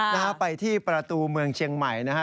นะฮะไปที่ประตูเมืองเชียงใหม่นะฮะ